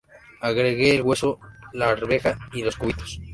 Agregue el hueso, la arveja y los cubitos.